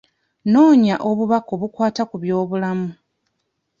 Noonya obubaka obukwata ku by'obulamu.